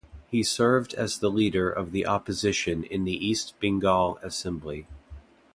He served as the leader of the opposition in the East Bengal Assembly.